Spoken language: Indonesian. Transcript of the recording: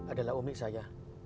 adalah umi saya